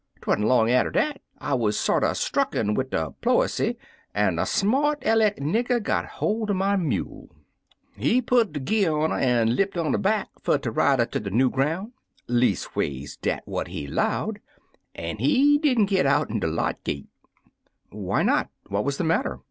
" Twa'n't long atter dat I wuz sorter struckeu wid de pFu'sy, an* cr smart Elleck nigger got holt er my mule. He put de gear on 'er an' lipt on ter'er back fer ter ride 'er ter de new groxm'. Leastways, dat what he 'lowed, but he didn' git outen de lot gate." "Why not? What was the matter?"